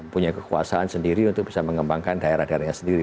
punya kekuasaan sendiri untuk bisa mengembangkan daerah daerahnya sendiri